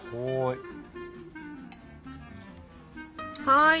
はい。